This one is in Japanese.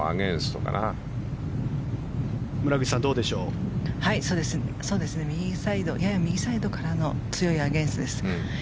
そうですね。やや右サイドからの強いアゲンストです。